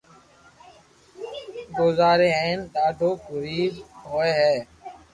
گوزاري ھي ھين ڌاڌو غرين ھوئي ھي